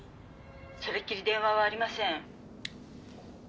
「それっきり電話はありません」